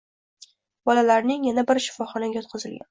Bolalarning yana biri shifoxonaga yotqizilgan